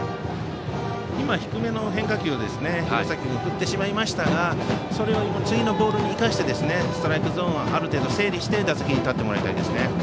今、低めの変化球を岩崎君、振ってしまいましたが次のボールを生かしてストライクゾーンをある程度、整理して打席に立ってもらいたいですね。